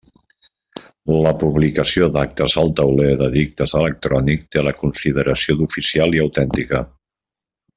La publicació d'actes al Tauler d'edictes electrònic té la consideració d'oficial i autèntica.